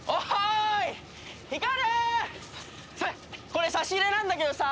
これ差し入れなんだけどさ